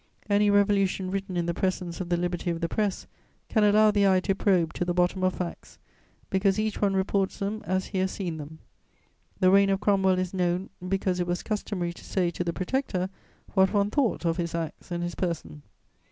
Any revolution written in the presence of the liberty of the press can allow the eye to probe to the bottom of facts, because each one reports them as he has seen them: the reign of Cromwell is known, because it was customary to say to the Protector what one thought of his acts and his person.